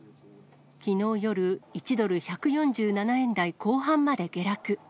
きのう夜、１ドル１４７円台後半まで下落。